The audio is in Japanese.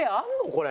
これ。